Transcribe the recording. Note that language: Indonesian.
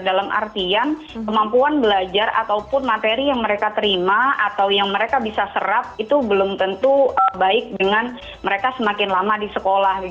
dalam artian kemampuan belajar ataupun materi yang mereka terima atau yang mereka bisa serap itu belum tentu baik dengan mereka semakin lama di sekolah